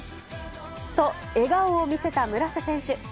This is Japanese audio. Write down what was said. と、笑顔を見せた村瀬選手。